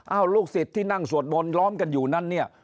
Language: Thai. ลูกศิษย์ที่นั่งสวดมนต์ล้อมกันอยู่นั้นเนี่ย